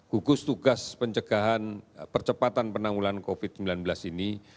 gugus tugas pencegahan percepatan penanggulan covid sembilan belas ini